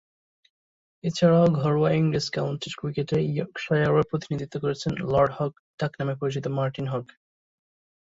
এছাড়াও ঘরোয়া ইংরেজ কাউন্টি ক্রিকেটে ইয়র্কশায়ারের প্রতিনিধিত্ব করেছেন ‘লর্ড হক’ ডাকনামে পরিচিত মার্টিন হক।